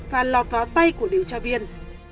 và lọt vào tay của điều tra viên